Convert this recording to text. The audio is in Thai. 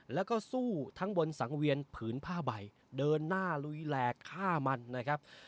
แล้วก็สู้ทั้งบนสังเวียนผืนผ้าใบเดินหน้าลุยแหลกฆ่ามันนะครับ